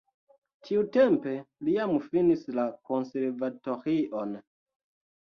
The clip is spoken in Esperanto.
Tiutempe li jam finis la konservatorion.